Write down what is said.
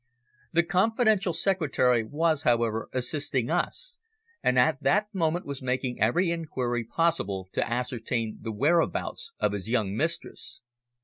The confidential secretary was, however, assisting us, and at that moment was making every inquiry possible to ascertain the whereabouts of his young mistress.